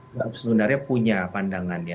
nggak absolutarnya punya pandangannya